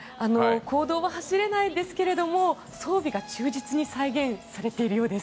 公道は走れないんですけれども装備が忠実に再現されているようです。